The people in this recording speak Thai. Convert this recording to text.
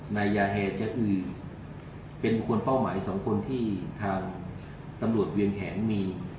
นายยาเฮจะอือเป็นคนเป้าหมายสองคนที่ทางตำรวจเวียงแหงมี